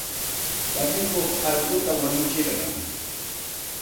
Kanikuq allquta wanutsirqan.